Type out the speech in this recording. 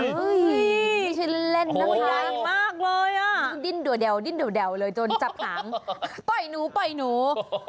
ไม่ใช่เล่นนะครับโอ้ยใหญ่มากเลยอ่ะดิ้นดวดแดวเลยจนจับหนังปล่อยหนู